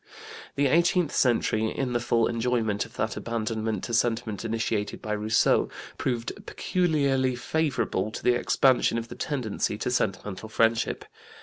The eighteenth century, in the full enjoyment of that abandonment to sentiment initiated by Rousseau, proved peculiarly favorable to the expansion of the tendency to sentimental friendship.